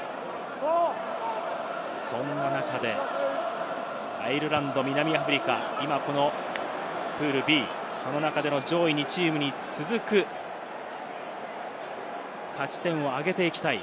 そんな中で、アイルランド、南アフリカ、今このプールＢ、その中での上位２チームに続く勝ち点を上げていきたい